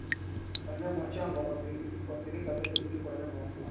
Wanyama wachanga huathirika zaidi kuliko wanyama wakubwa